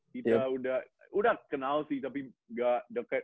kita udah udah kenal sih tapi gak deket